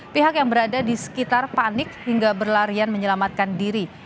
pihak yang berada di sekitar panik hingga berlarian menyelamatkan diri